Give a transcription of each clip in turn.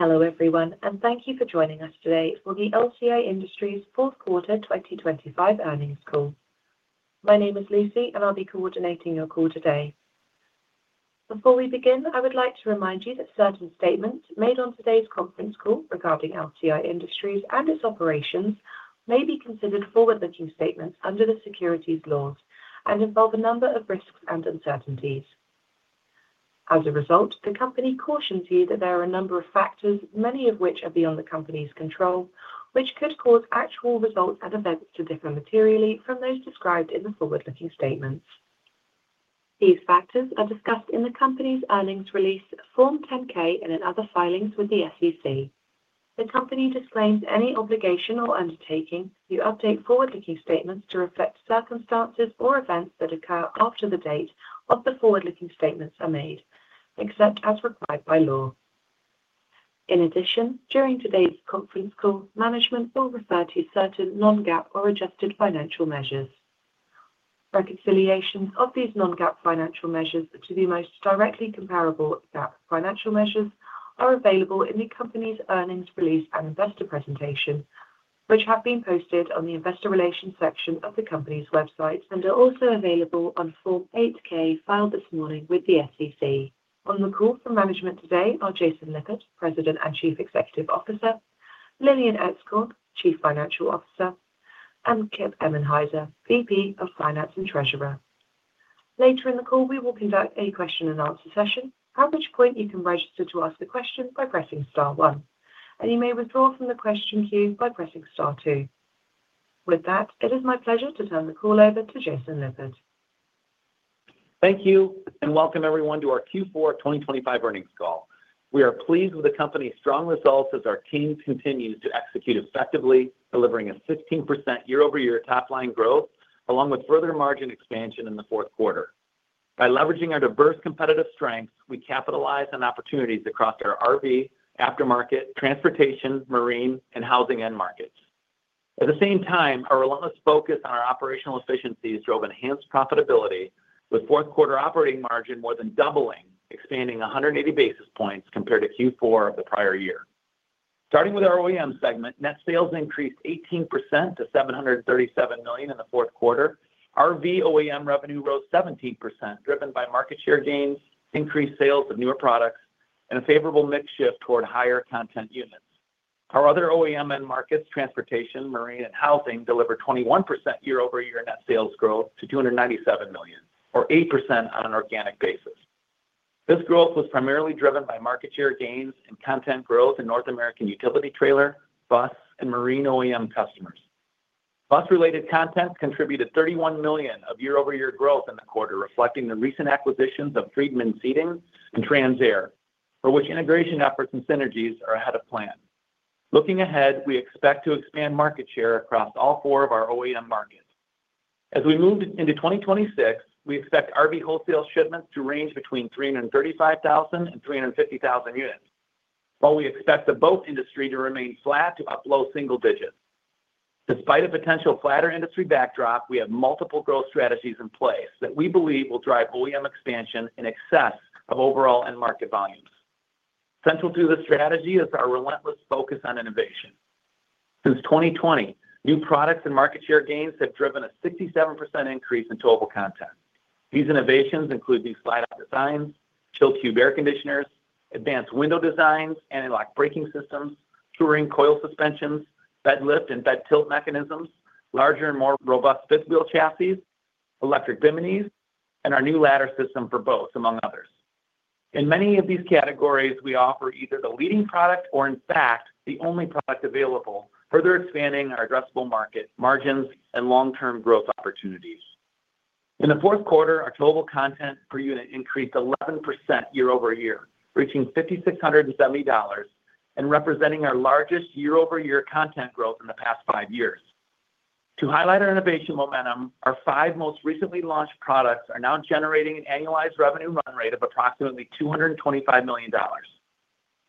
Hello, everyone, and thank you for joining us today for the LCI Industries fourth quarter 2025 earnings call. My name is Lucy, and I'll be coordinating your call today. Before we begin, I would like to remind you that certain statements made on today's conference call regarding LCI Industries and its operations may be considered forward-looking statements under the securities laws and involve a number of risks and uncertainties. As a result, the company cautions you that there are a number of factors, many of which are beyond the company's control, which could cause actual results and events to differ materially from those described in the forward-looking statements. These factors are discussed in the company's earnings release, Form 10-K, and in other filings with the SEC. The company disclaims any obligation or undertaking to update forward-looking statements to reflect circumstances or events that occur after the date of the forward-looking statements are made, except as required by law. In addition, during today's conference call, management will refer to certain non-GAAP or adjusted financial measures. Reconciliations of these non-GAAP financial measures to the most directly comparable GAAP financial measures are available in the company's earnings release and investor presentation, which have been posted on the Investor Relations section of the company's website and are also available on Form 8-K filed this morning with the SEC. On the call from management today are Jason Lippert, President and Chief Executive Officer, Lillian Etzkorn, Chief Financial Officer, and Kip Emenhiser, VP of Finance and Treasurer. Later in the call, we will conduct a question and answer session, at which point you can register to ask a question by pressing star one, and you may withdraw from the question queue by pressing star two. With that, it is my pleasure to turn the call over to Jason Lippert. Thank you, and welcome everyone to our Q4 2025 earnings call. We are pleased with the company's strong results as our team continues to execute effectively, delivering a 15% year-over-year top-line growth, along with further margin expansion in the fourth quarter. By leveraging our diverse competitive strengths, we capitalize on opportunities across our RV, aftermarket, transportation, marine, and housing end markets. At the same time, our relentless focus on our operational efficiencies drove enhanced profitability, with fourth quarter operating margin more than doubling, expanding 180 basis points compared to Q4 of the prior year. Starting with our OEM segment, net sales increased 18% to $737 million in the fourth quarter. RV OEM revenue rose 17%, driven by market share gains, increased sales of newer products, and a favorable mix shift toward higher content units. Our other OEM end markets, transportation, marine, and housing, delivered 21% year-over-year net sales growth to $297 million, or 8% on an organic basis. This growth was primarily driven by market share gains and content growth in North American utility trailer, bus, and marine OEM customers. Bus-related content contributed $31 million of year-over-year growth in the quarter, reflecting the recent acquisitions of Freedman Seating and Trans/Air, for which integration efforts and synergies are ahead of plan. Looking ahead, we expect to expand market share across all four of our OEM markets. As we move into 2026, we expect RV wholesale shipments to range between 335,000 and 350,000 units, while we expect the boat industry to remain flat to up low single digits. Despite a potential flatter industry backdrop, we have multiple growth strategies in place that we believe will drive OEM expansion in excess of overall end market volumes. Central to this strategy is our relentless focus on innovation. Since 2020, new products and market share gains have driven a 67% increase in total content. These innovations include these slide-out designs, Chill Cube air conditioners, advanced window designs, anti-lock braking systems, Touring Coil suspensions, bed lift and bed tilt mechanisms, larger and more robust fifth wheel chassis, electric biminis, and our new ladder system for boats, among others. In many of these categories, we offer either the leading product or, in fact, the only product available, further expanding our addressable market, margins, and long-term growth opportunities. In the fourth quarter, our total content per unit increased 11% year-over-year, reaching $5,670 and representing our largest year-over-year content growth in the past five years. To highlight our innovation momentum, our five most recently launched products are now generating an annualized revenue run rate of approximately $225 million.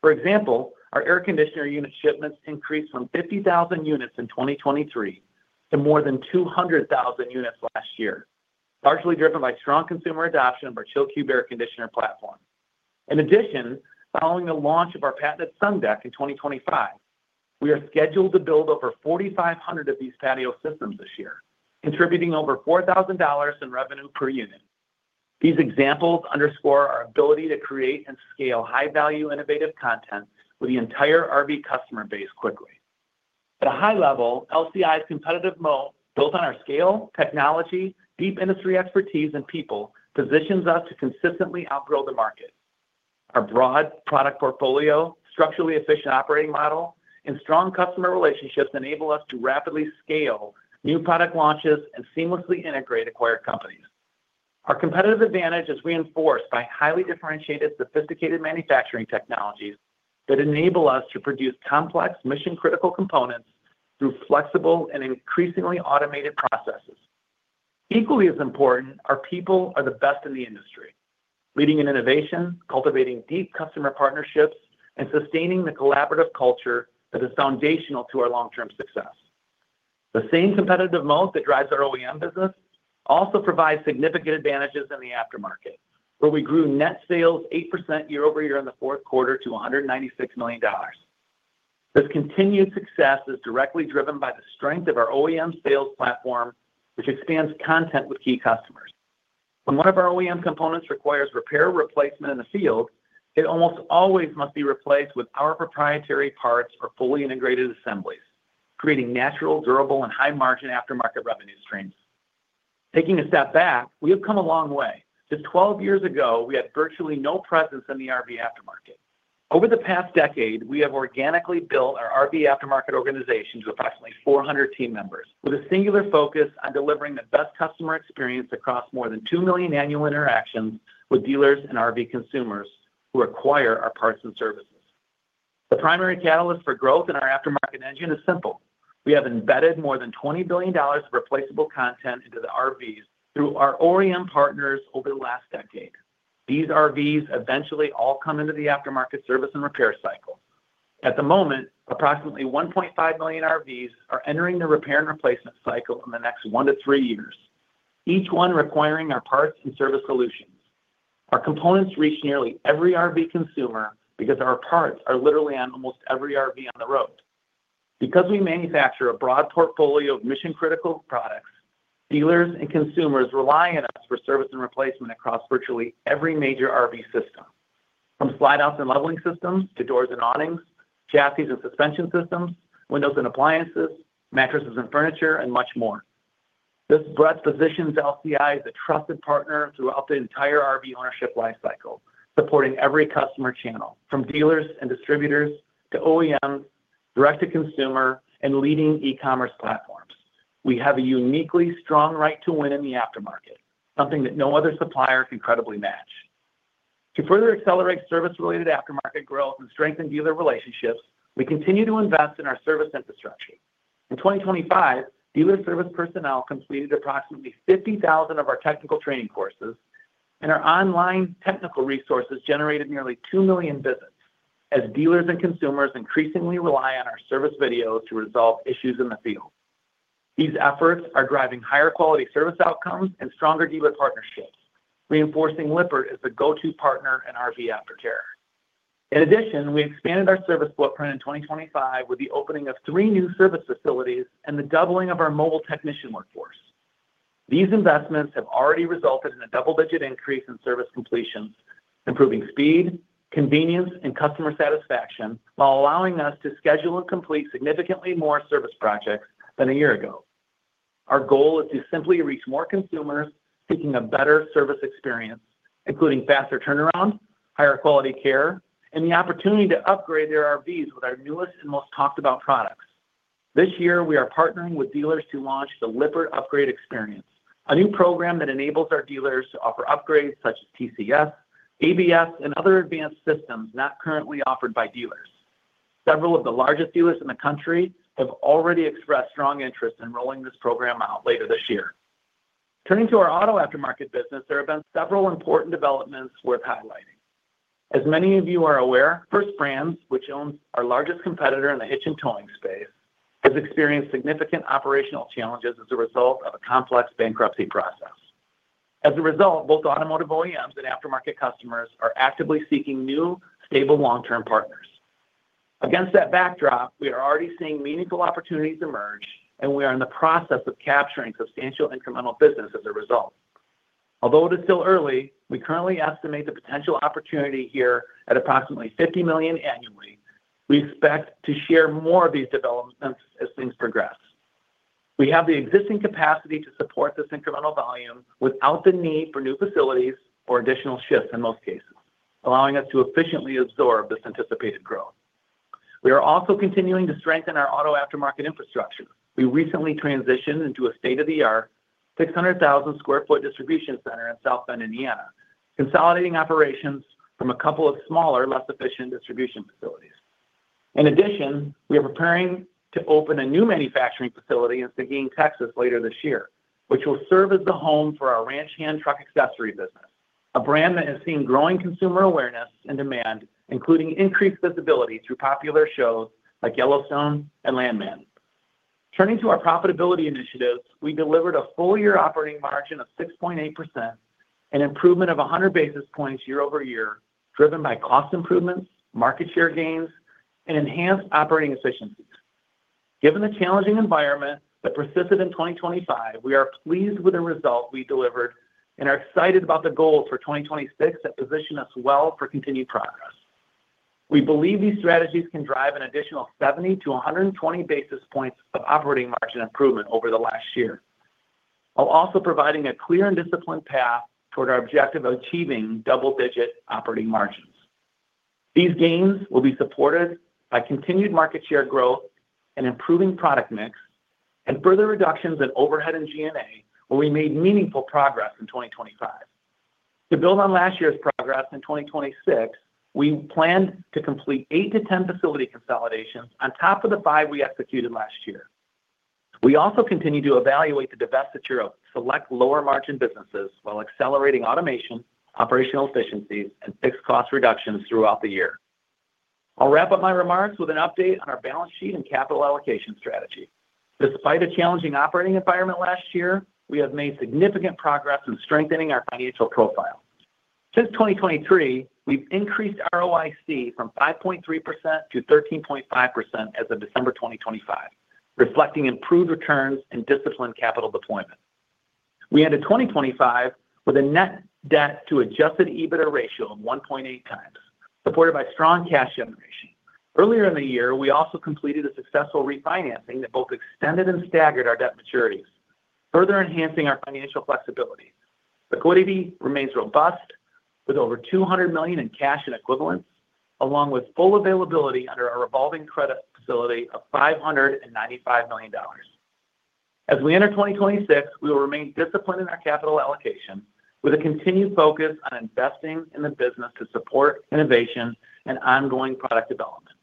For example, our air conditioner unit shipments increased from 50,000 units in 2023 to more than 200,000 units last year, partially driven by strong consumer adoption of our Chill Cube air conditioner platform. In addition, following the launch of our patented Sundeck in 2025, we are scheduled to build over 4,500 of these patio systems this year, contributing over $4,000 in revenue per unit. These examples underscore our ability to create and scale high-value, innovative content with the entire RV customer base quickly. At a high level, LCI's competitive moat, built on our scale, technology, deep industry expertise, and people, positions us to consistently outgrow the market. Our broad product portfolio, structurally efficient operating model, and strong customer relationships enable us to rapidly scale new product launches and seamlessly integrate acquired companies. Our competitive advantage is reinforced by highly differentiated, sophisticated manufacturing technologies that enable us to produce complex, mission-critical components through flexible and increasingly automated processes. Equally as important, our people are the best in the industry, leading in innovation, cultivating deep customer partnerships, and sustaining the collaborative culture that is foundational to our long-term success. The same competitive moat that drives our OEM business also provides significant advantages in the aftermarket, where we grew net sales 8% year-over-year in the fourth quarter to $196 million. This continued success is directly driven by the strength of our OEM sales platform, which expands content with key customers. When one of our OEM components requires repair or replacement in the field, it almost always must be replaced with our proprietary parts or fully integrated assemblies, creating natural, durable, and high-margin aftermarket revenue streams. Taking a step back, we have come a long way. Just 12 years ago, we had virtually no presence in the RV aftermarket. Over the past decade, we have organically built our RV aftermarket organization to approximately 400 team members, with a singular focus on delivering the best customer experience across more than 2 million annual interactions with dealers and RV consumers who acquire our parts and services. The primary catalyst for growth in our aftermarket engine is simple: We have embedded more than $20 billion of replaceable content into the RVs through our OEM partners over the last decade. These RVs eventually all come into the aftermarket service and repair cycle. At the moment, approximately 1.5 million RVs are entering the repair and replacement cycle in the next one to three years, each one requiring our parts and service solutions. Our components reach nearly every RV consumer because our parts are literally on almost every RV on the road. Because we manufacture a broad portfolio of mission-critical products, dealers and consumers rely on us for service and replacement across virtually every major RV system, from slide outs and leveling systems to doors and awnings, chassis and suspension systems, windows and appliances, mattresses and furniture, and much more. This breadth positions LCI as a trusted partner throughout the entire RV ownership lifecycle, supporting every customer channel, from dealers and distributors to OEMs, direct-to-consumer, and leading e-commerce platforms. We have a uniquely strong right to win in the aftermarket, something that no other supplier can credibly match. To further accelerate service-related aftermarket growth and strengthen dealer relationships, we continue to invest in our service infrastructure. In 2025, dealer service personnel completed approximately 50,000 of our technical training courses, and our online technical resources generated nearly 2 million visits, as dealers and consumers increasingly rely on our service videos to resolve issues in the field. These efforts are driving higher quality service outcomes and stronger dealer partnerships, reinforcing Lippert as the go-to partner in RV aftercare. In addition, we expanded our service footprint in 2025 with the opening of three new service facilities and the doubling of our mobile technician workforce. These investments have already resulted in a double-digit increase in service completions, improving speed, convenience, and customer satisfaction, while allowing us to schedule and complete significantly more service projects than a year ago. Our goal is to simply reach more consumers seeking a better service experience, including faster turnaround, higher quality care, and the opportunity to upgrade their RVs with our newest and most talked about products. This year, we are partnering with dealers to launch the Lippert Upgrade Experience, a new program that enables our dealers to offer upgrades such as TCS, ABS, and other advanced systems not currently offered by dealers. Several of the largest dealers in the country have already expressed strong interest in rolling this program out later this year. Turning to our auto aftermarket business, there have been several important developments worth highlighting. As many of you are aware, First Brands, which owns our largest competitor in the hitch and towing space, has experienced significant operational challenges as a result of a complex bankruptcy process. As a result, both automotive OEMs and aftermarket customers are actively seeking new, stable, long-term partners. Against that backdrop, we are already seeing meaningful opportunities emerge, and we are in the process of capturing substantial incremental business as a result. Although it is still early, we currently estimate the potential opportunity here at approximately $50 million annually. We expect to share more of these developments as things progress. We have the existing capacity to support this incremental volume without the need for new facilities or additional shifts in most cases, allowing us to efficiently absorb this anticipated growth. We are also continuing to strengthen our auto aftermarket infrastructure. We recently transitioned into a state-of-the-art 600,000 sq ft distribution center in South Bend, Indiana, consolidating operations from a couple of smaller, less efficient distribution facilities. In addition, we are preparing to open a new manufacturing facility in Seguin, Texas, later this year, which will serve as the home for our Ranch Hand truck accessory business, a brand that has seen growing consumer awareness and demand, including increased visibility through popular shows like Yellowstone and Landman. Turning to our profitability initiatives, we delivered a full year operating margin of 6.8%, an improvement of 100 basis points year over year, driven by cost improvements, market share gains, and enhanced operating efficiencies. Given the challenging environment that persisted in 2025, we are pleased with the result we delivered and are excited about the goals for 2026 that position us well for continued progress. We believe these strategies can drive an additional 70-120 basis points of operating margin improvement over the last year, while also providing a clear and disciplined path toward our objective of achieving double-digit operating margins. These gains will be supported by continued market share growth and improving product mix and further reductions in overhead and G&A, where we made meaningful progress in 2025. To build on last year's progress in 2026, we plan to complete 8-10 facility consolidations on top of the 5 we executed last year. We also continue to evaluate the divestiture of select lower-margin businesses while accelerating automation, operational efficiencies, and fixed cost reductions throughout the year. I'll wrap up my remarks with an update on our balance sheet and capital allocation strategy. Despite a challenging operating environment last year, we have made significant progress in strengthening our financial profile. Since 2023, we've increased ROIC from 5.3% to 13.5% as of December 2025, reflecting improved returns and disciplined capital deployment. We ended 2025 with a net debt to Adjusted EBITDA ratio of 1.8 times, supported by strong cash generation. Earlier in the year, we also completed a successful refinancing that both extended and staggered our debt maturities, further enhancing our financial flexibility. Liquidity remains robust, with over $200 million in cash and equivalents, along with full availability under our revolving credit facility of $595 million. As we enter 2026, we will remain disciplined in our capital allocation, with a continued focus on investing in the business to support innovation and ongoing product development.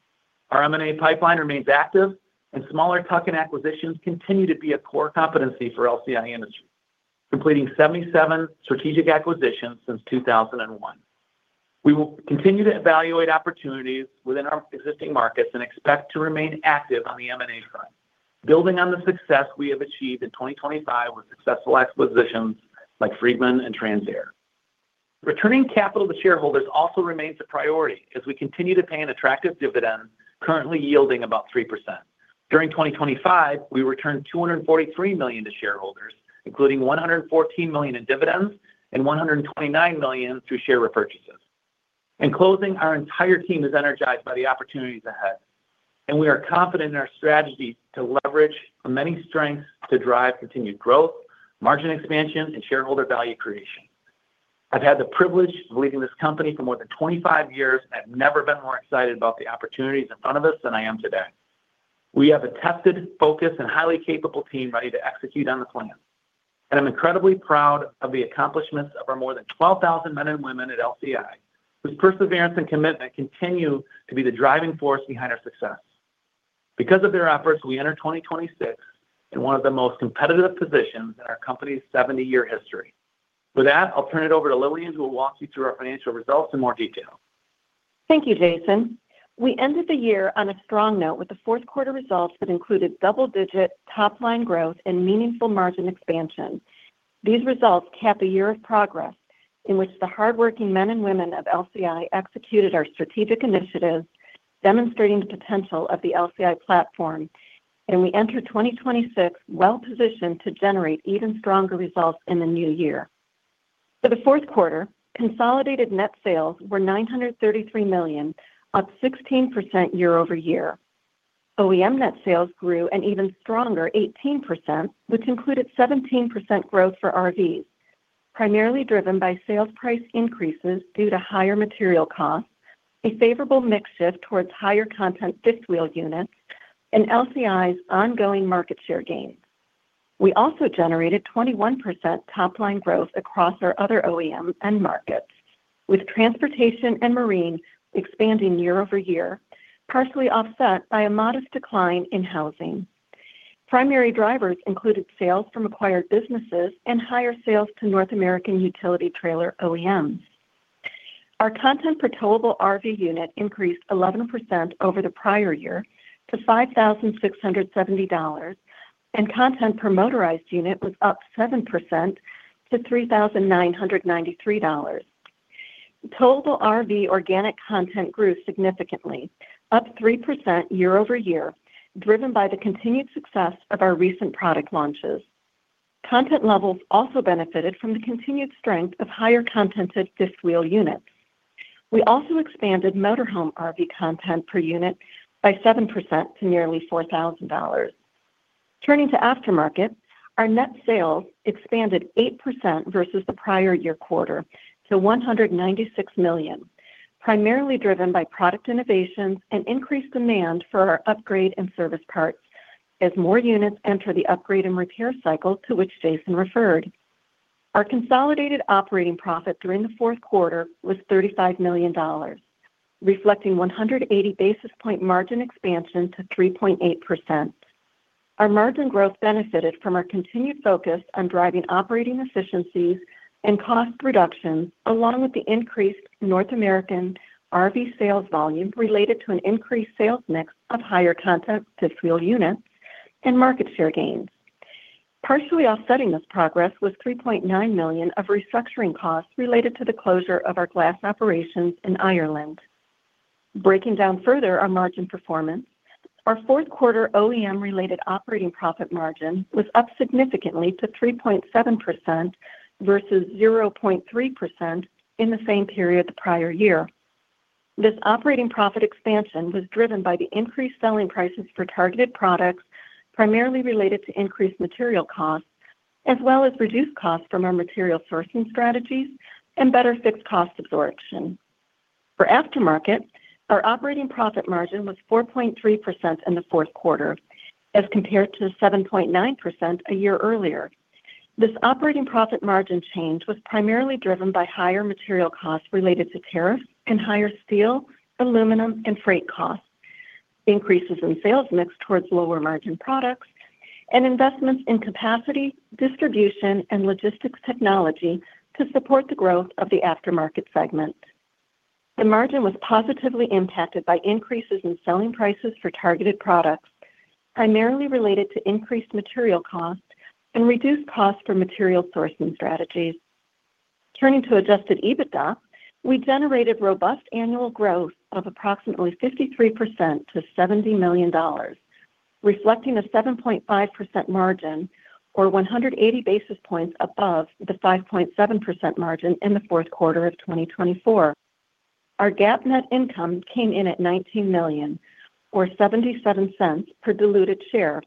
Our M&A pipeline remains active, and smaller tuck-in acquisitions continue to be a core competency for LCI Industries, completing 77 strategic acquisitions since 2001. We will continue to evaluate opportunities within our existing markets and expect to remain active on the M&A front, building on the success we have achieved in 2025 with successful acquisitions like Freedman and Trans/Air. Returning capital to shareholders also remains a priority as we continue to pay an attractive dividend, currently yielding about 3%. During 2025, we returned $243 million to shareholders, including $114 million in dividends and $129 million through share repurchases. In closing, our entire team is energized by the opportunities ahead, and we are confident in our strategy to leverage our many strengths to drive continued growth, margin expansion, and shareholder value creation. I've had the privilege of leading this company for more than 25 years, and I've never been more excited about the opportunities in front of us than I am today. We have a tested, focused, and highly capable team ready to execute on the plan, and I'm incredibly proud of the accomplishments of our more than 12,000 men and women at LCI, whose perseverance and commitment continue to be the driving force behind our success. Because of their efforts, we enter 2026 in one of the most competitive positions in our company's 70-year history. With that, I'll turn it over to Lillian, who will walk you through our financial results in more detail. Thank you, Jason. We ended the year on a strong note with the fourth quarter results that included double-digit top-line growth and meaningful margin expansion. These results cap a year of progress in which the hardworking men and women of LCI executed our strategic initiatives, demonstrating the potential of the LCI platform, and we enter 2026 well positioned to generate even stronger results in the new year. For the fourth quarter, consolidated net sales were $933 million, up 16% year over year. OEM net sales grew an even stronger 18%, which included 17% growth for RVs, primarily driven by sales price increases due to higher material costs, a favorable mix shift towards higher content fifth wheel units, and LCI's ongoing market share gains. We also generated 21% top-line growth across our other OEM end markets, with transportation and marine expanding year-over-year, partially offset by a modest decline in housing. Primary drivers included sales from acquired businesses and higher sales to North American utility trailer OEMs. Our content per towable RV unit increased 11% over the prior year to $5,670, and content per motorized unit was up 7% to $3,993. Towable RV organic content grew significantly, up 3% year-over-year, driven by the continued success of our recent product launches. Content levels also benefited from the continued strength of higher content of fifth wheel units. We also expanded motorhome RV content per unit by 7% to nearly $4,000. Turning to aftermarket, our net sales expanded 8% versus the prior year quarter to $196 million, primarily driven by product innovations and increased demand for our upgrade and service parts as more units enter the upgrade and repair cycle to which Jason referred. Our consolidated operating profit during the fourth quarter was $35 million, reflecting 180 basis point margin expansion to 3.8%. Our margin growth benefited from our continued focus on driving operating efficiencies and cost reductions, along with the increased North American RV sales volume related to an increased sales mix of higher content fifth wheel units and market share gains. Partially offsetting this progress was $3.9 million of restructuring costs related to the closure of our glass operations in Ireland. Breaking down further our margin performance, our fourth quarter OEM-related operating profit margin was up significantly to 3.7% versus 0.3% in the same period the prior year. This operating profit expansion was driven by the increased selling prices for targeted products, primarily related to increased material costs, as well as reduced costs from our material sourcing strategies and better fixed cost absorption. For aftermarket, our operating profit margin was 4.3% in the fourth quarter as compared to 7.9% a year earlier. This operating profit margin change was primarily driven by higher material costs related to tariffs and higher steel, aluminum, and freight costs, increases in sales mix towards lower margin products, and investments in capacity, distribution, and logistics technology to support the growth of the aftermarket segment. The margin was positively impacted by increases in selling prices for targeted products, primarily related to increased material costs and reduced costs for material sourcing strategies. Turning to Adjusted EBITDA, we generated robust annual growth of approximately 53% to $70 million, reflecting a 7.5% margin or 180 basis points above the 5.7% margin in the fourth quarter of 2024. Our GAAP net income came in at $19 million or $0.77 per diluted share,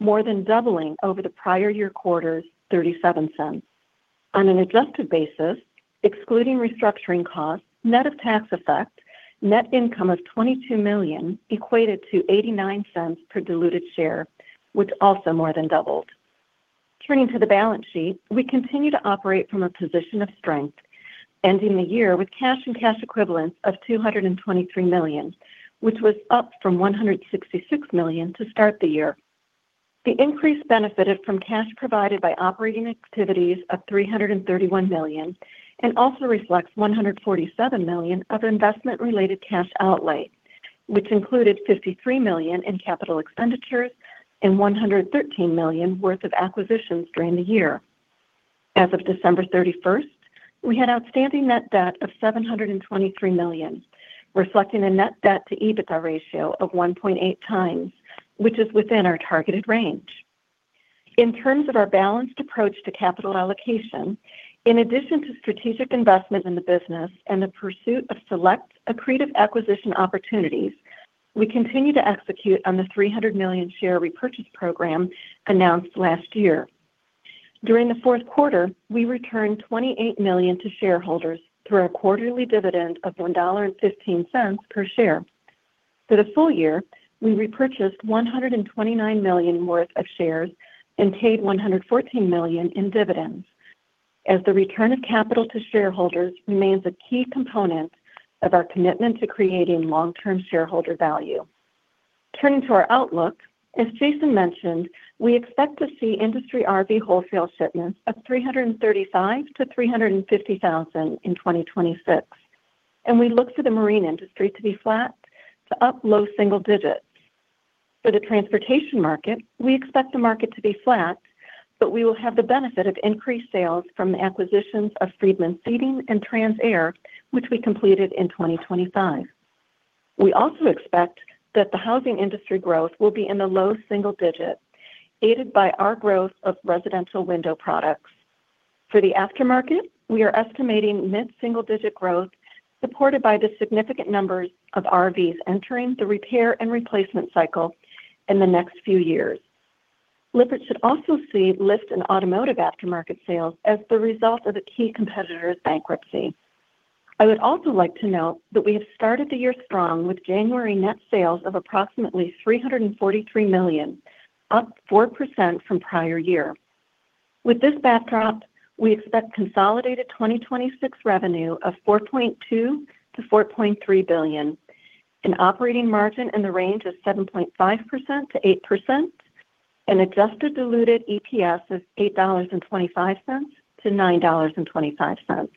more than doubling over the prior year quarter's $0.37. On an adjusted basis, excluding restructuring costs, net of tax effect, net income of $22 million equated to $0.89 per diluted share, which also more than doubled. Turning to the balance sheet, we continue to operate from a position of strength, ending the year with cash and cash equivalents of $223 million, which was up from $166 million to start the year. The increase benefited from cash provided by operating activities of $331 million, and also reflects $147 million of investment-related cash outlay, which included $53 million in capital expenditures and $113 million worth of acquisitions during the year. As of December thirty-first, we had outstanding net debt of $723 million, reflecting a net debt to EBITDA ratio of 1.8x, which is within our targeted range. In terms of our balanced approach to capital allocation, in addition to strategic investment in the business and the pursuit of select accretive acquisition opportunities, we continue to execute on the $300 million share repurchase program announced last year. During the fourth quarter, we returned $28 million to shareholders through our quarterly dividend of $1.15 per share. For the full year, we repurchased $129 million worth of shares and paid $114 million in dividends, as the return of capital to shareholders remains a key component of our commitment to creating long-term shareholder value. Turning to our outlook, as Jason mentioned, we expect to see industry RV wholesale shipments of 335,000-350,000 in 2026, and we look to the marine industry to be flat to up low single digits. For the transportation market, we expect the market to be flat, but we will have the benefit of increased sales from the acquisitions of Freedman Seating and Trans/Air, which we completed in 2025. We also expect that the housing industry growth will be in the low single digits, aided by our growth of residential window products. For the aftermarket, we are estimating mid-single-digit growth, supported by the significant numbers of RVs entering the repair and replacement cycle in the next few years. Lippert should also see lift in automotive aftermarket sales as the result of a key competitor's bankruptcy. I would also like to note that we have started the year strong, with January net sales of approximately $343 million, up 4% from prior year. With this backdrop, we expect consolidated 2026 revenue of $4.2 billion-$4.3 billion, an operating margin in the range of 7.5%-8%, an Adjusted diluted EPS of $8.25-$9.25.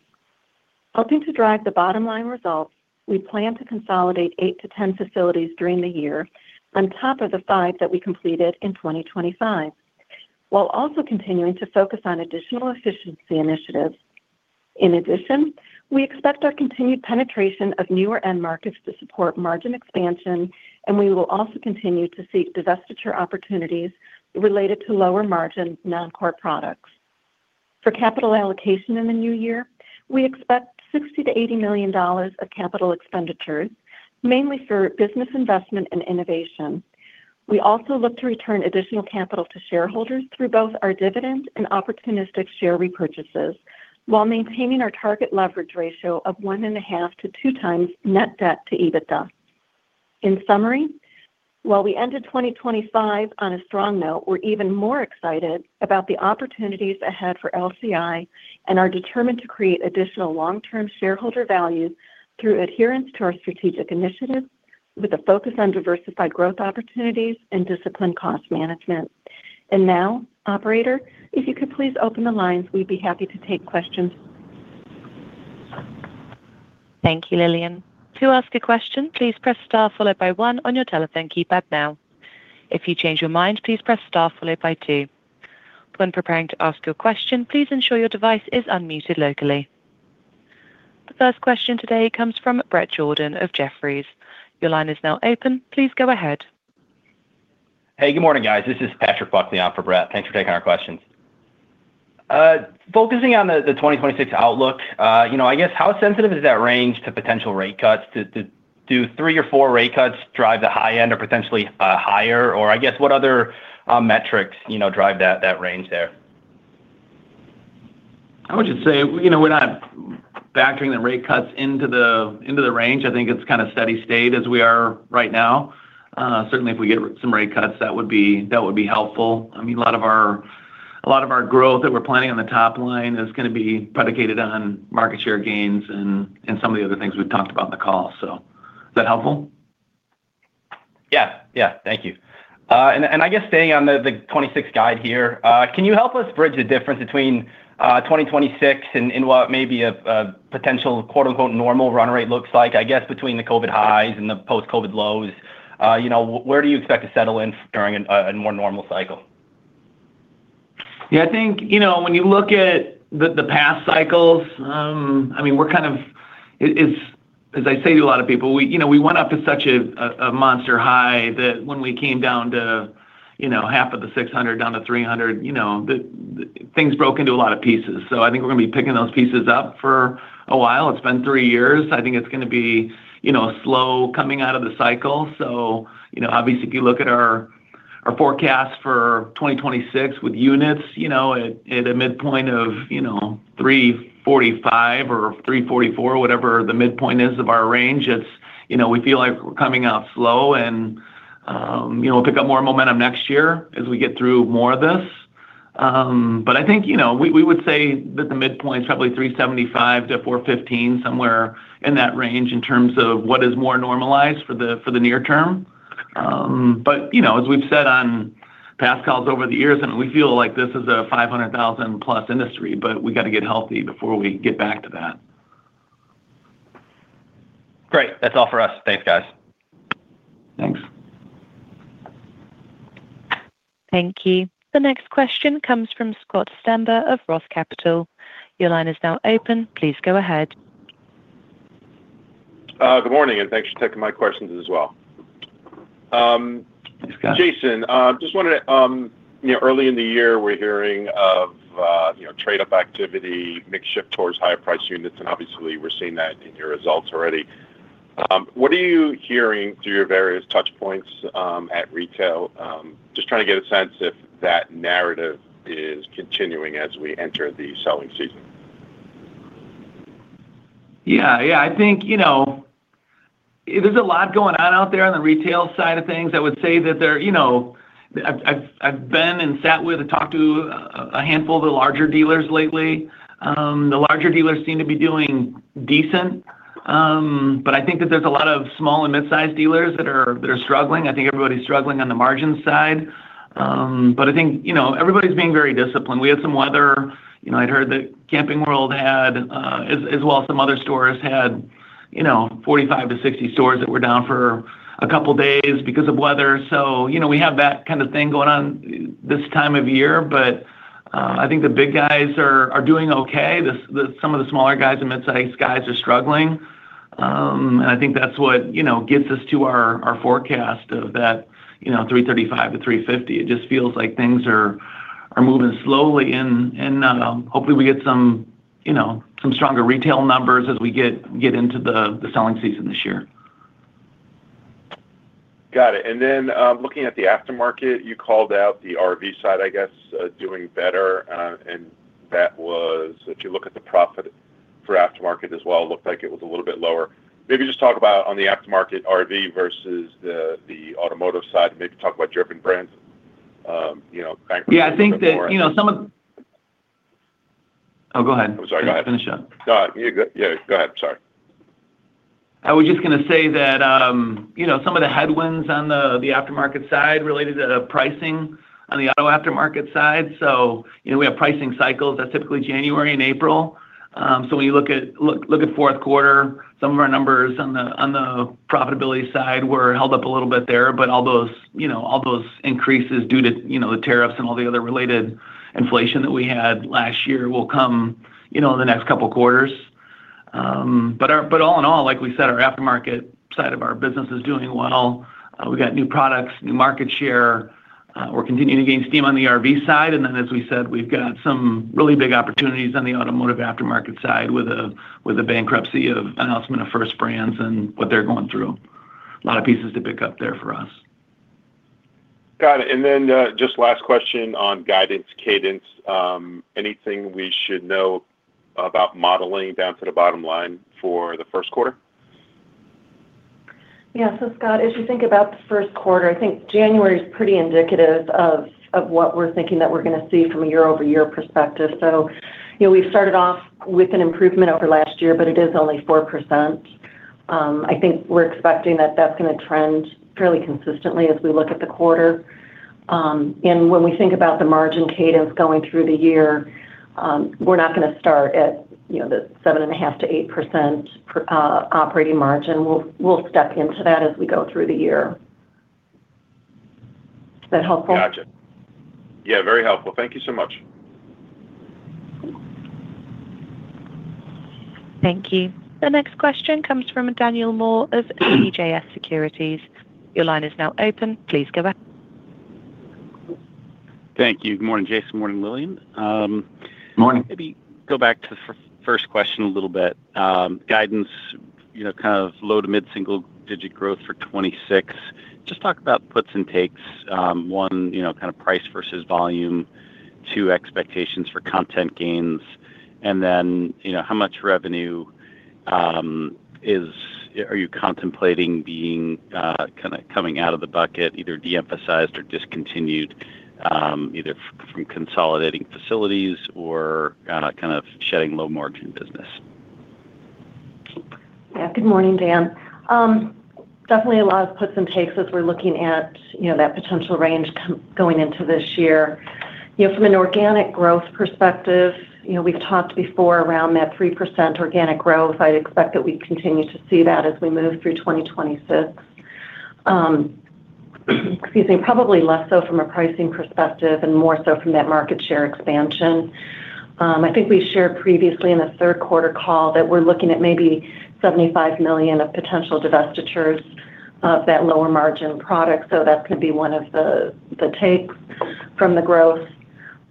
Helping to drive the bottom line results, we plan to consolidate 8-10 facilities during the year on top of the 5 that we completed in 2025, while also continuing to focus on additional efficiency initiatives. In addition, we expect our continued penetration of newer end markets to support margin expansion, and we will also continue to seek divestiture opportunities related to lower-margin, non-core products. For capital allocation in the new year, we expect $60 million-$80 million of capital expenditures, mainly for business investment and innovation. We also look to return additional capital to shareholders through both our dividends and opportunistic share repurchases while maintaining our target leverage ratio of 1.5-2x net debt to EBITDA. In summary, while we ended 2025 on a strong note, we're even more excited about the opportunities ahead for LCI and are determined to create additional long-term shareholder value through adherence to our strategic initiatives, with a focus on diversified growth opportunities and disciplined cost management. Now, operator, if you could please open the lines, we'd be happy to take questions. Thank you, Lillian. To ask a question, please press star followed by one on your telephone keypad now. If you change your mind, please press star followed by two. When preparing to ask your question, please ensure your device is unmuted locally. The first question today comes from Bret Jordan of Jefferies. Your line is now open. Please go ahead. Hey, good morning, guys. This is Patrick Buckley in for Bret. Thanks for taking our questions. Focusing on the 2026 outlook, you know, I guess how sensitive is that range to potential rate cuts? Do three or four rate cuts drive the high end or potentially higher? Or I guess what other metrics, you know, drive that range there? I would just say, you know, we're not factoring the rate cuts into the, into the range. I think it's kind of steady state as we are right now. Certainly, if we get some rate cuts, that would be helpful. I mean, a lot of our growth that we're planning on the top line is going to be predicated on market share gains and some of the other things we've talked about in the call. So is that helpful? Yeah. Yeah, thank you. And I guess staying on the 2026 guide here, can you help us bridge the difference between 2026 and what maybe a potential quote-unquote normal run rate looks like, I guess between the COVID highs and the post-COVID lows? You know, where do you expect to settle in during a more normal cycle? Yeah, I think, you know, when you look at the past cycles, I mean, it's, as I say to a lot of people, you know, we went up to such a monster high that when we came down to, you know, half of the 600, down to 300, you know, things broke into a lot of pieces. So I think we're going to be picking those pieces up for a while. It's been three years. I think it's going to be, you know, a slow coming out of the cycle. So, you know, obviously, if you look at our forecast for 2026 with units, you know, at a midpoint of, you know, 345 or 344, whatever the midpoint is of our range, it's, you know, we feel like we're coming out slow and, you know, we'll pick up more momentum next year as we get through more of this. But I think, you know, we would say that the midpoint is probably 375-415, somewhere in that range in terms of what is more normalized for the near term. But, you know, as we've said on past calls over the years, and we feel like this is a 500,000+ industry, but we got to get healthy before we get back to that. Great. That's all for us. Thanks, guys. Thanks. Thank you. The next question comes from Scott Stember of ROTH Capital. Your line is now open. Please go ahead. Good morning, and thanks for taking my questions as well. Thanks, Scott. Jason, I just wanted to, you know, early in the year, we're hearing of, you know, trade-up activity, mix shift towards higher price units, and obviously, we're seeing that in your results already. What are you hearing through your various touch points, at retail? Just trying to get a sense if that narrative is continuing as we enter the selling season. Yeah. Yeah, I think, you know, there's a lot going on out there on the retail side of things. I would say that there, you know, I've been and sat with and talked to a handful of the larger dealers lately. The larger dealers seem to be doing decent, but I think that there's a lot of small and mid-sized dealers that are struggling. I think everybody's struggling on the margin side. But I think, you know, everybody's being very disciplined. We had some weather. You know, I'd heard that Camping World had, as well as some other stores had, you know, 45-60 stores that were down for a couple of days because of weather. So, you know, we have that kind of thing going on this time of year, but I think the big guys are doing okay. Some of the smaller guys and mid-sized guys are struggling. And I think that's what, you know, gets us to our forecast of 335-350. It just feels like things are moving slowly, and hopefully, we get some stronger retail numbers as we get into the selling season this year. Got it. And then, looking at the aftermarket, you called out the RV side, I guess, doing better, and that was If you look at the profit for aftermarket as well, it looked like it was a little bit lower. Maybe just talk about on the aftermarket RV versus the automotive side, and maybe talk about different brands, you know- Yeah, I think that, you know, some of- Oh, go ahead. I'm sorry. Go ahead. Finish up. Go ahead. Yeah, go ahead. Sorry. I was just gonna say that, you know, some of the headwinds on the, the aftermarket side related to the pricing on the auto aftermarket side. So, you know, we have pricing cycles. That's typically January and April. So when you look at fourth quarter, some of our numbers on the, on the profitability side were held up a little bit there, but all those, you know, all those increases due to, you know, the tariffs and all the other related inflation that we had last year will come, you know, in the next couple of quarters. But all in all, like we said, our aftermarket side of our business is doing well. We've got new products, new market share. We're continuing to gain steam on the RV side. Then, as we said, we've got some really big opportunities on the automotive aftermarket side with the bankruptcy announcement of First Brands and what they're going through. A lot of pieces to pick up there for us. Got it. And then, just last question on guidance, cadence. Anything we should know about modeling down to the bottom line for the first quarter? Yeah. So, Scott, as you think about the first quarter, I think January is pretty indicative of what we're thinking that we're gonna see from a year-over-year perspective. So, you know, we started off with an improvement over last year, but it is only 4%. I think we're expecting that that's gonna trend fairly consistently as we look at the quarter. And when we think about the margin cadence going through the year, we're not gonna start at, you know, the 7.5%-8% per operating margin. We'll step into that as we go through the year. Is that helpful? Gotcha. Yeah, very helpful. Thank you so much. Thank you. The next question comes from Daniel Moore of CJS Securities. Your line is now open. Please go ahead. Thank you. Good morning, Jason. Morning, Lillian. Morning. Maybe go back to the first question a little bit. Guidance, you know, kind of low to mid-single-digit growth for 2026. Just talk about puts and takes, one, you know, kind of price versus volume, two, expectations for content gains. Then, you know, how much revenue are you contemplating being kind of coming out of the bucket, either de-emphasized or discontinued, either from consolidating facilities or kind of shedding low-margin business? Yeah. Good morning, Dan. Definitely a lot of puts and takes as we're looking at, you know, that potential range going into this year. You know, from an organic growth perspective, you know, we've talked before around that 3% organic growth. I'd expect that we continue to see that as we move through 2026. Probably less so from a pricing perspective and more so from that market share expansion. I think we shared previously in the third quarter call that we're looking at maybe $75 million of potential divestitures of that lower margin product, so that could be one of the, the takes from the growth.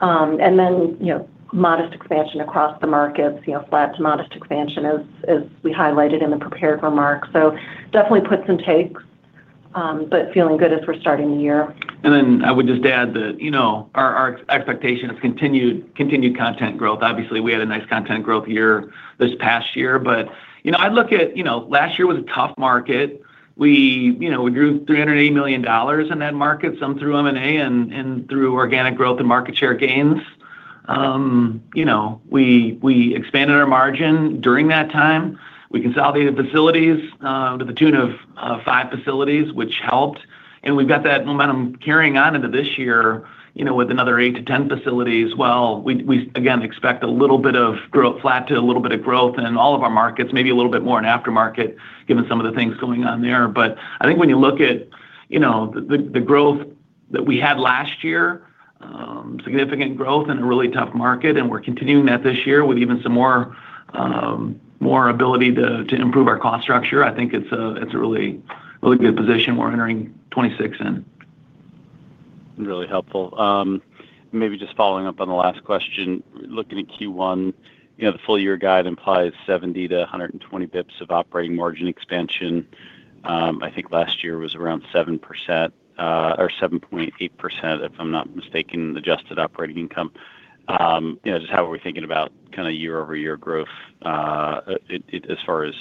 And then, you know, modest expansion across the markets, you know, flat to modest expansion as we highlighted in the prepared remarks. So definitely puts and takes, but feeling good as we're starting the year. I would just add that, you know, our expectation of continued, continued content growth. Obviously, we had a nice content growth year this past year, but, you know, I'd look at, you know, last year was a tough market. We, you know, we grew $380 million in that market, some through M&A and, and through organic growth and market share gains. You know, we, we expanded our margin during that time. We consolidated facilities, to the tune of five facilities, which helped, and we've got that momentum carrying on into this year, you know, with another eight-10 facilities. Well, we, we again expect a little bit of growth, flat to a little bit of growth in all of our markets, maybe a little bit more in aftermarket, given some of the things going on there. But I think when you look at, you know, the growth that we had last year, significant growth in a really tough market, and we're continuing that this year with even some more, more ability to improve our cost structure. I think it's a really, really good position we're entering 2026 in. Really helpful. Maybe just following up on the last question. Looking at Q1, you know, the full year guide implies 70-120 basis points of operating margin expansion. I think last year was around 7%, or 7.8%, if I'm not mistaken, the adjusted operating income. You know, just how are we thinking about kind of year-over-year growth, as far as,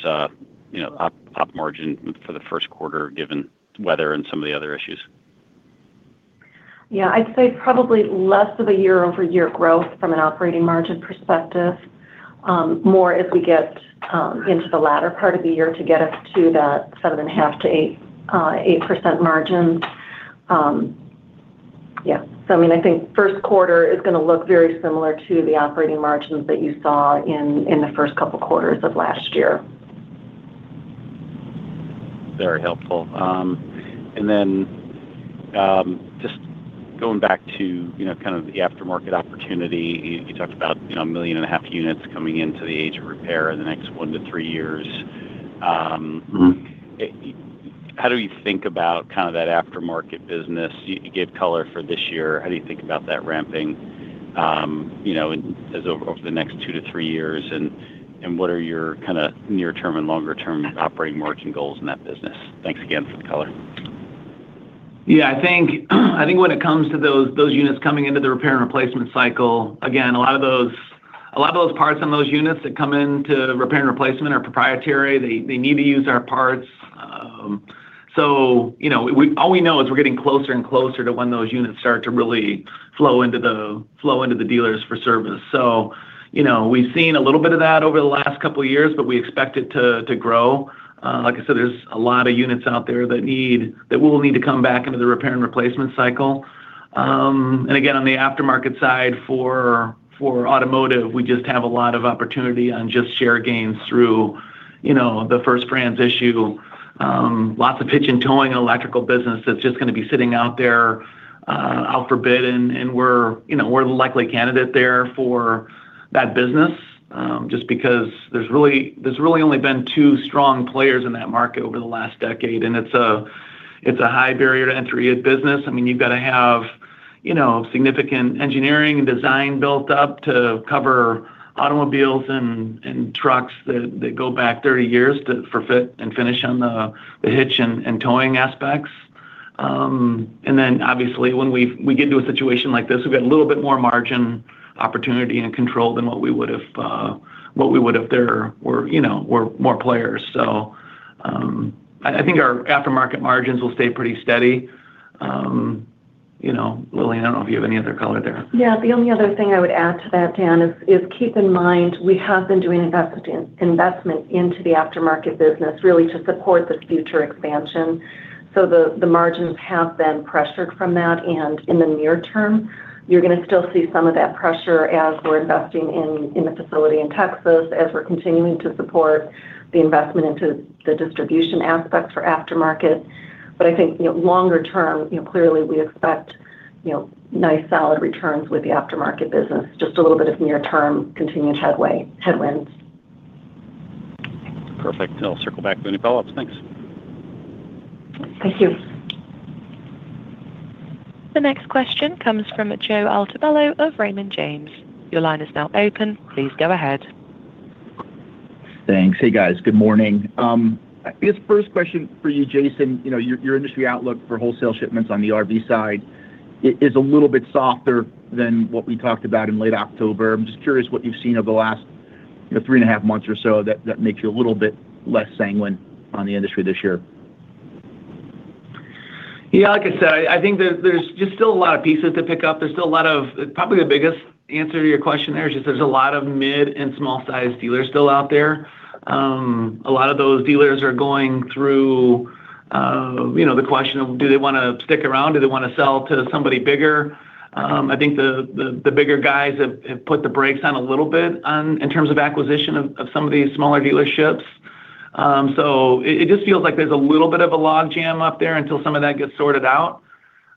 you know, op margin for the first quarter, given weather and some of the other issues? Yeah, I'd say probably less of a year-over-year growth from an operating margin perspective, more as we get into the latter part of the year to get us to that 7.5%-8% margin. Yeah. So, I mean, I think first quarter is gonna look very similar to the operating margins that you saw in the first couple quarters of last year. Very helpful. And then, just going back to, you know, kind of the aftermarket opportunity. You, you talked about, you know, 1.5 million units coming into the age of repair in the next one-three years. Mm-hmm. How do we think about kind of that aftermarket business? You gave color for this year. How do you think about that ramping, you know, as over the next two to three years, and what are your kind of near-term and longer-term operating margin goals in that business? Thanks again for the color. Yeah, I think when it comes to those units coming into the repair and replacement cycle, again, a lot of those parts on those units that come in to repair and replacement are proprietary. They need to use our parts. So, you know, all we know is we're getting closer and closer to when those units start to really flow into the dealers for service. So, you know, we've seen a little bit of that over the last couple of years, but we expect it to grow. Like I said, there's a lot of units out there that will need to come back into the repair and replacement cycle. And again, on the aftermarket side, for automotive, we just have a lot of opportunity on just share gains through, you know, the First Brands issue, lots of hitch and towing electrical business that's just gonna be sitting out there, out for bid, and, and we're, you know, we're the likely candidate there for that business. Just because there's really, there's really only been 2 strong players in that market over the last decade, and it's a, it's a high barrier to entry business. I mean, you've got to have, you know, significant engineering and design built up to cover automobiles and, and trucks that, that go back 30 years to for fit and finish on the, the hitch and, and towing aspects. Then obviously, when we get to a situation like this, we've got a little bit more margin, opportunity, and control than what we would have, what we would if there were, you know, more players. So, I think our aftermarket margins will stay pretty steady. You know, Lily, I don't know if you have any other color there. Yeah. The only other thing I would add to that, Dan, is keep in mind we have been doing investment into the aftermarket business, really to support this future expansion. So the margins have been pressured from that, and in the near term, you're gonna still see some of that pressure as we're investing in the facility in Texas, as we're continuing to support the investment into the distribution aspects for aftermarket. But I think, you know, longer term, you know, clearly we expect, you know, nice, solid returns with the aftermarket business. Just a little bit of near-term continued headwinds. Perfect. I'll circle back for any follow-ups. Thanks. Thank you. The next question comes from Joe Altobello with Raymond James. Your line is now open. Please go ahead. Thanks. Hey, guys. Good morning. I guess first question for you, Jason, you know, your, your industry outlook for wholesale shipments on the RV side is a little bit softer than what we talked about in late October. I'm just curious what you've seen over the last, you know, three and a half months or so that, that makes you a little bit less sanguine on the industry this year. Yeah, like I said, I think there's just still a lot of pieces to pick up. There's still a lot of. Probably the biggest answer to your question there is just there's a lot of mid and small-sized dealers still out there. A lot of those dealers are going through, you know, the question of: Do they wanna stick around? Do they wanna sell to somebody bigger? I think the bigger guys have put the brakes on a little bit on, in terms of acquisition of some of these smaller dealerships. So it just feels like there's a little bit of a logjam up there until some of that gets sorted out.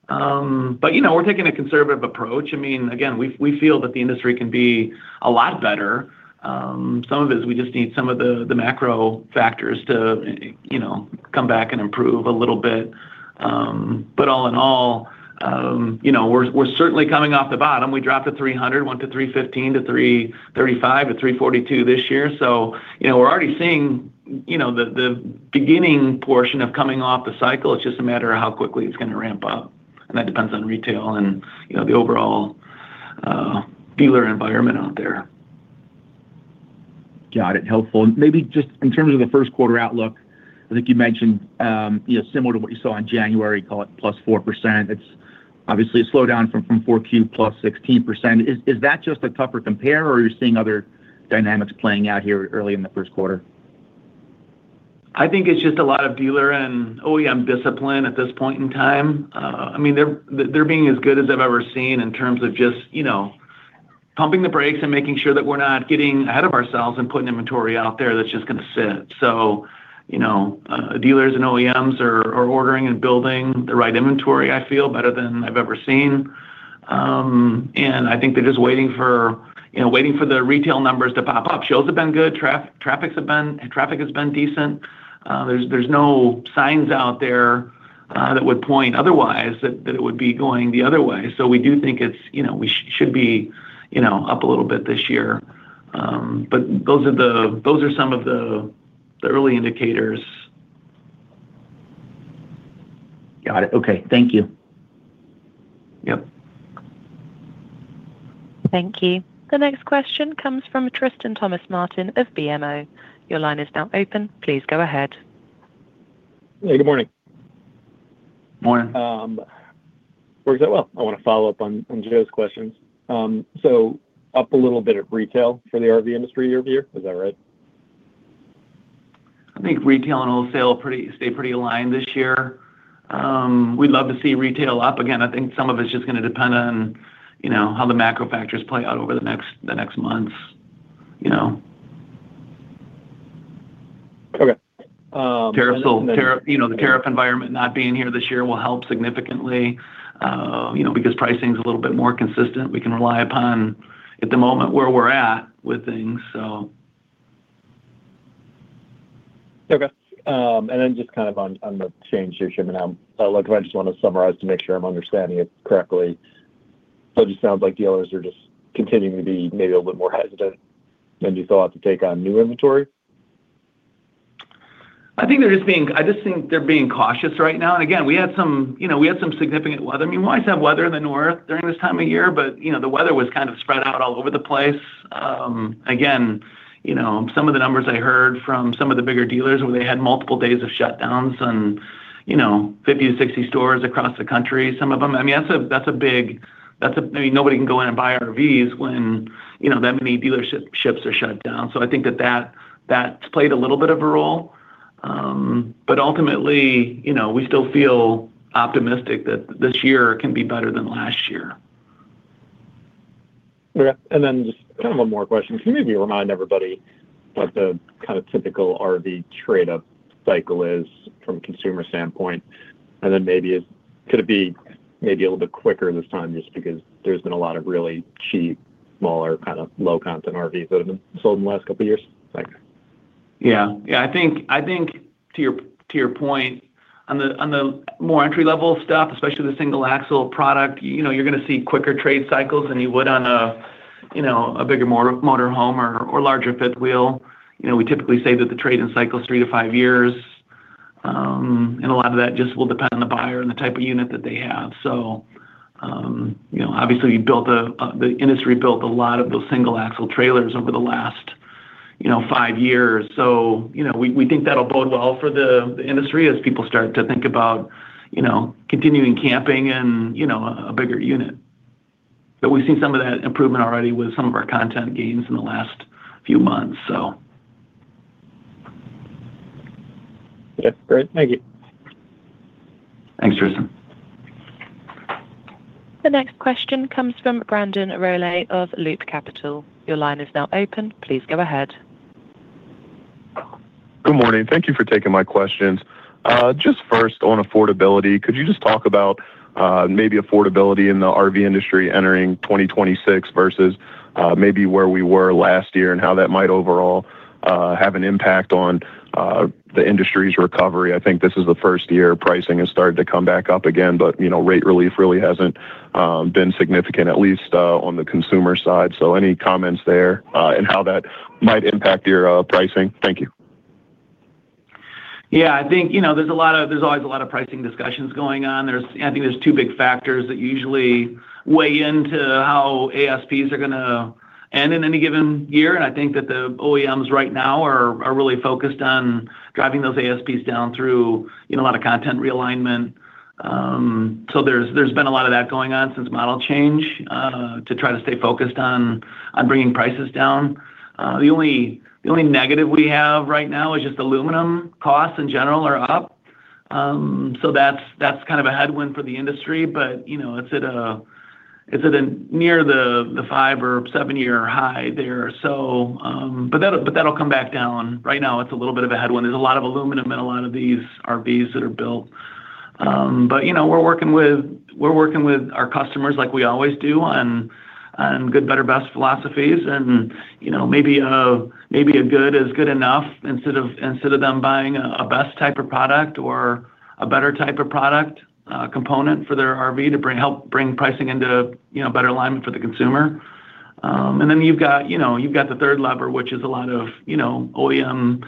But, you know, we're taking a conservative approach. I mean, again, we feel that the industry can be a lot better. Some of it is we just need some of the macro factors to, you know, come back and improve a little bit. But all in all, you know, we're certainly coming off the bottom. We dropped to 300, went to 315, to 335, to 342 this year. So, you know, we're already seeing, you know, the beginning portion of coming off the cycle. It's just a matter of how quickly it's gonna ramp up, and that depends on retail and, you know, the overall dealer environment out there. Got it. Helpful. Maybe just in terms of the first quarter outlook, I think you mentioned, you know, similar to what you saw in January, call it +4%. It's obviously a slowdown from 4Q +16%. Is that just a tougher compare, or are you seeing other dynamics playing out here early in the first quarter? I think it's just a lot of dealer and OEM discipline at this point in time. I mean, they're, they're being as good as I've ever seen in terms of just, you know, pumping the brakes and making sure that we're not getting ahead of ourselves and putting inventory out there that's just gonna sit. So, you know, dealers and OEMs are, are ordering and building the right inventory, I feel, better than I've ever seen. And I think they're just waiting for, you know, waiting for the retail numbers to pop up. Shows have been good, traffic has been decent. There's, there's no signs out there, that would point otherwise, that, that it would be going the other way. So we do think it's, you know, we should be, you know, up a little bit this year. But those are some of the early indicators. Got it. Okay. Thank you. Yep. Thank you. The next question comes from Tristan Thomas-Martin of BMO. Your line is now open. Please go ahead. Hey, good morning. Morning. Where was I? Well, I wanna follow up on Joe's questions. So up a little bit at retail for the RV industry year-over-year, is that right? I think retail and wholesale pretty stay pretty aligned this year. We'd love to see retail up again. I think some of it's just gonna depend on, you know, how the macro factors play out over the next months, you know? Okay. Um- Tariff, tariff, you know, the tariff environment not being here this year will help significantly, you know, because pricing is a little bit more consistent. We can rely upon, at the moment, where we're at with things, so. Okay, and then just kind of on the change to shipment, like, I just wanna summarize to make sure I'm understanding it correctly. So it just sounds like dealers are just continuing to be maybe a little bit more hesitant than you thought to take on new inventory? I think they're just being, I just think they're being cautious right now. Again, we had some, you know, we had some significant weather. I mean, we always have weather in the north during this time of year, but, you know, the weather was kind of spread out all over the place. Again, you know, some of the numbers I heard from some of the bigger dealers, where they had multiple days of shutdowns and, you know, 50 to 60 stores across the country, some of them, I mean, that's a, that's a big, that's a, I mean, nobody can go in and buy RVs when, you know, that many dealerships are shut down. I think that, that, that's played a little bit of a role. Ultimately, you know, we still feel optimistic that this year can be better than last year. Yeah. And then just kind of one more question. Can you maybe remind everybody what the kinda typical RV trade-up cycle is from a consumer standpoint? And then maybe is could it be maybe a little bit quicker this time, just because there's been a lot of really cheap, smaller, kind of low-content RVs that have been sold in the last couple of years? Thanks. Yeah. Yeah, I think, I think to your, to your point, on the, on the more entry-level stuff, especially the single-axle product, you know, you're gonna see quicker trade cycles than you would on a, you know, a bigger motor, motor home or, or larger fifth wheel. You know, we typically say that the trade-in cycle is three to five years, and a lot of that just will depend on the buyer and the type of unit that they have. So, you know, obviously, the industry built a lot of those single-axle trailers over the last, you know, five years. So, you know, we, we think that'll bode well for the, the industry as people start to think about, you know, continuing camping and, you know, a bigger unit. But we've seen some of that improvement already with some of our content gains in the last few months, so. Yeah, great. Thank you. Thanks, Tristan. The next question comes from Brandon Roll``e of Loop Capital. Your line is now open. Please go ahead. Good morning. Thank you for taking my questions. Just first, on affordability, could you just talk about maybe affordability in the RV industry entering 2026 versus maybe where we were last year, and how that might overall have an impact on the industry's recovery? I think this is the first year pricing has started to come back up again, but, you know, rate relief really hasn't been significant, at least on the consumer side. So any comments there, and how that might impact your pricing? Thank you. Yeah, I think, you know, there's a lot of—there's always a lot of pricing discussions going on. There's, I think there's two big factors that usually weigh into how ASPs are gonna end in any given year, and I think that the OEMs right now are really focused on driving those ASPs down through, you know, a lot of content realignment. So there's been a lot of that going on since model change to try to stay focused on bringing prices down. The only negative we have right now is just aluminum costs in general are up. So that's kind of a headwind for the industry, but, you know, it's at a near the five- or seven-year high there. So but that'll come back down. Right now, it's a little bit of a headwind. There's a lot of aluminum in a lot of these RVs that are built. But, you know, we're working with, we're working with our customers like we always do, on, on good, better, best philosophies. And, you know, maybe a, maybe a good is good enough instead of, instead of them buying a, a best type of product or a better type of product, component for their RV to bring - help bring pricing into, you know, better alignment for the consumer. And then you've got, you know, you've got the third lever, which is a lot of, you know, OEM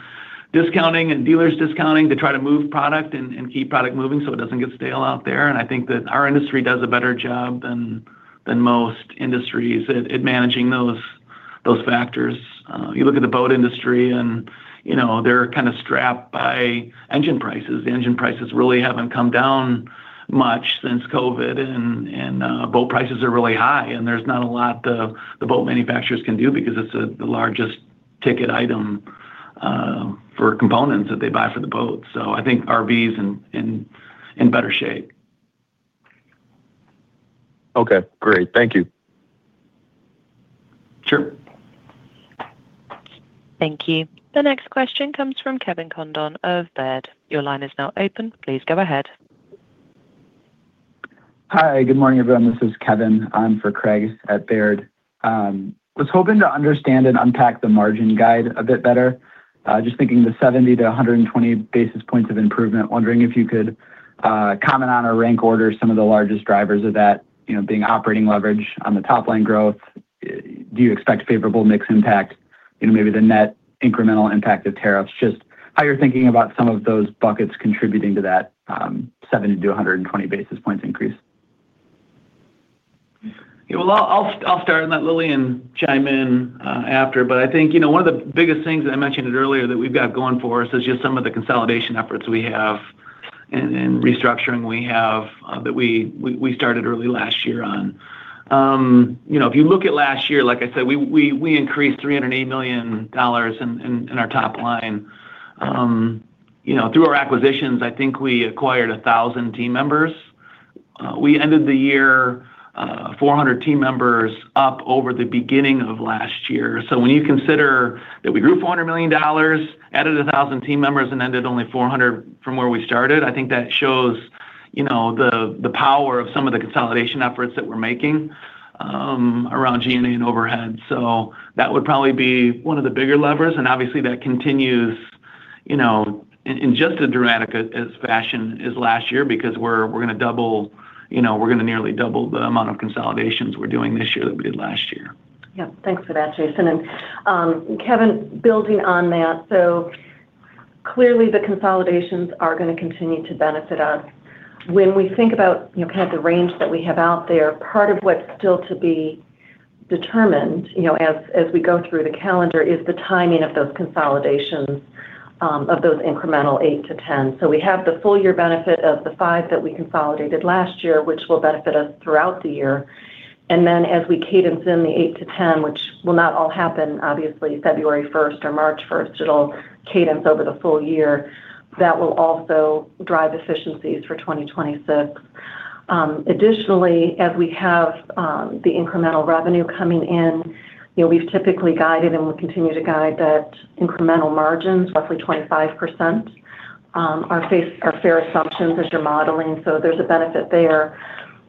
discounting and dealers discounting to try to move product and, and keep product moving, so it doesn't get stale out there. I think that our industry does a better job than most industries at managing those factors. You look at the boat industry and, you know, they're kind of strapped by engine prices. Engine prices really haven't come down much since COVID, and boat prices are really high. And there's not a lot the boat manufacturers can do because it's the largest ticket item for components that they buy for the boat. So I think RVs in better shape. Okay, great. Thank you. Sure. Thank you. The next question comes from Kevin Condon of Baird. Your line is now open. Please go ahead. Hi, good morning, everyone. This is Kevin. I'm for Craig at Baird. Was hoping to understand and unpack the margin guide a bit better. Just thinking the 70-120 basis points of improvement, wondering if you could comment on or rank order some of the largest drivers of that, you know, being operating leverage on the top line growth. Do you expect favorable mix impact? You know, maybe the net incremental impact of tariffs, just how you're thinking about some of those buckets contributing to that 70-120 basis points increase. Yeah, well, I'll start and let Lillian chime in after. But I think, you know, one of the biggest things, and I mentioned it earlier, that we've got going for us is just some of the consolidation efforts we have and restructuring we have that we started early last year on. You know, if you look at last year, like I said, we increased $380 million in our top line. You know, through our acquisitions, I think we acquired 1,000 team members. We ended the year 400 team members up over the beginning of last year. So when you consider that we grew $400 million, added 1,000 team members, and ended only $400 million from where we started, I think that shows, you know, the power of some of the consolidation efforts that we're making around G&A and overhead. So that would probably be one of the bigger levers, and obviously, that continues, you know, in just as dramatic a fashion as last year because we're gonna double, you know, we're gonna nearly double the amount of consolidations we're doing this year than we did last year. Yeah. Thanks for that, Jason. And, Kevin, building on that, so clearly the consolidations are gonna continue to benefit us. When we think about, you know, kind of the range that we have out there, part of what's still to be determined, you know, as we go through the calendar, is the timing of those consolidations, of those incremental 8-10. So we have the full year benefit of the 5 that we consolidated last year, which will benefit us throughout the year. And then, as we cadence in the 8-10, which will not all happen, obviously, February first or March first, it'll cadence over the full year, that will also drive efficiencies for 2026. Additionally, as we have the incremental revenue coming in, you know, we've typically guided and will continue to guide that incremental margins, roughly 25%, are fair assumptions as you're modeling, so there's a benefit there.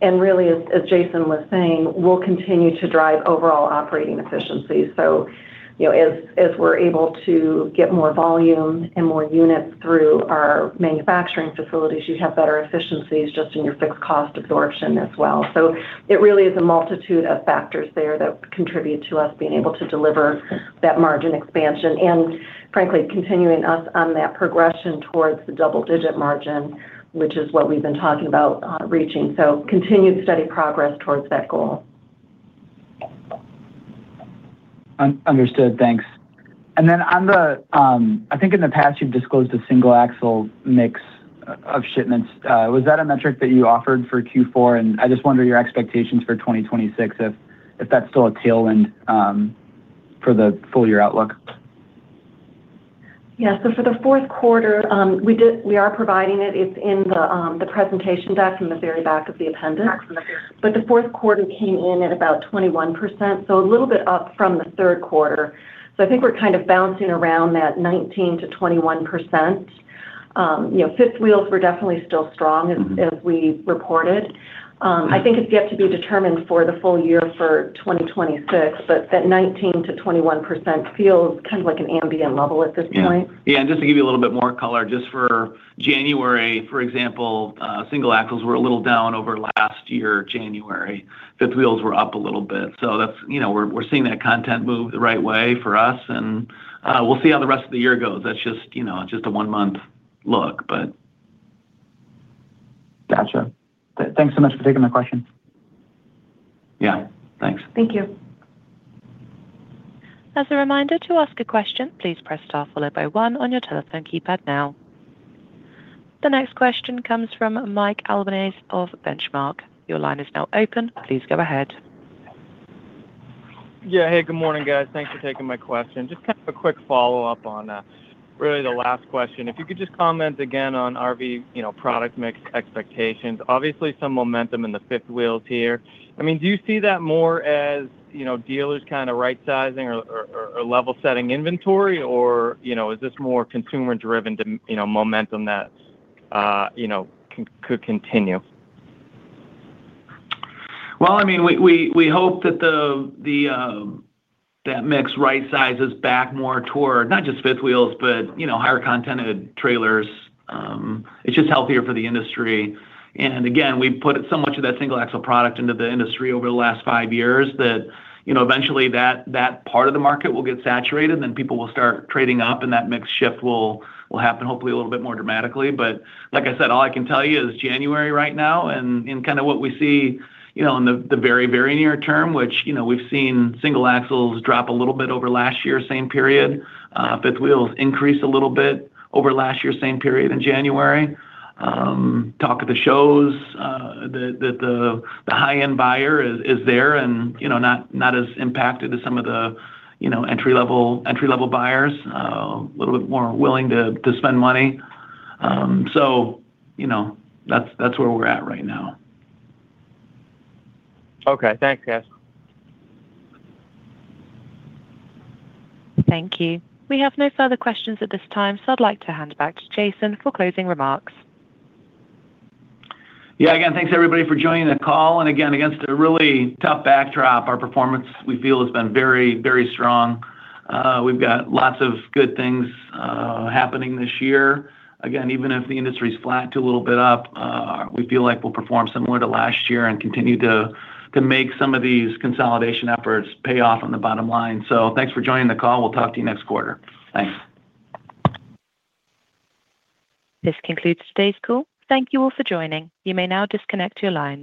And really, as Jason was saying, we'll continue to drive overall operating efficiencies. So, you know, as we're able to get more volume and more units through our manufacturing facilities, you have better efficiencies just in your fixed cost absorption as well. So it really is a multitude of factors there that contribute to us being able to deliver that margin expansion and frankly, continuing us on that progression towards the double-digit margin, which is what we've been talking about, reaching. So continued steady progress towards that goal. Understood. Thanks. And then on the, I think in the past, you've disclosed a single-axle mix of shipments. Was that a metric that you offered for Q4? And I just wonder your expectations for 2026, if that's still a tailwind, for the full year outlook. Yeah. So for the fourth quarter, we are providing it. It's in the presentation deck in the very back of the appendix. But the fourth quarter came in at about 21%, so a little bit up from the third quarter. So I think we're kind of bouncing around that 19%-21%. You know, fifth wheels were definitely still strong- Mm-hmm As we reported. I think it's yet to be determined for the full year for 2026, but that 19%-21% feels kind of like an ambient level at this point. Yeah, yeah, and just to give you a little bit more color, just for January, for example, single-axles were a little down over last year, January. fifth wheels were up a little bit. So that's, you know, we're, we're seeing that content move the right way for us, and we'll see how the rest of the year goes. That's just, you know, just a one-month look, but- Gotcha. Thanks so much for taking my question. Yeah, thanks. Thank you. As a reminder, to ask a question, please press star followed by one on your telephone keypad now. The next question comes from Mike Albanese of Benchmark. Your line is now open. Please go ahead. Yeah. Hey, good morning, guys. Thanks for taking my question. Just kind of a quick follow-up on really the last question. If you could just comment again on RV, you know, product mix expectations. Obviously, some momentum in the fifth wheels here. I mean, do you see that more as, you know, dealers kind of right-sizing or level-setting inventory? Or, you know, is this more consumer-driven, you know, momentum that, you know, could continue? Well, I mean, we hope that the mix right-sizes back more toward not just fifth wheels, but, you know, higher content trailers. It's just healthier for the industry. And again, we've put so much of that single axle product into the industry over the last five years that, you know, eventually that part of the market will get saturated, then people will start trading up, and that mix shift will happen, hopefully, a little bit more dramatically. But like I said, all I can tell you is January right now and kind of what we see, you know, in the very, very near term, which, you know, we've seen single axles drop a little bit over last year, same period. fifth wheels increase a little bit over last year, same period in January. Talk of the shows, the high-end buyer is there and, you know, not as impacted as some of the, you know, entry-level buyers. A little bit more willing to spend money. So, you know, that's where we're at right now. Okay. Thanks, guys. Thank you. We have no further questions at this time, so I'd like to hand it back to Jason for closing remarks. Yeah, again, thanks, everybody, for joining the call. Again, against a really tough backdrop, our performance, we feel, has been very, very strong. We've got lots of good things happening this year. Again, even if the industry's flat to a little bit up, we feel like we'll perform similar to last year and continue to make some of these consolidation efforts pay off on the bottom line. Thanks for joining the call. We'll talk to you next quarter. Thanks. This concludes today's call. Thank you all for joining. You may now disconnect your lines.